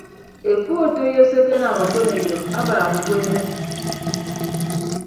Ekpu otoiyo se ekenam okoneyo abaak uweeme.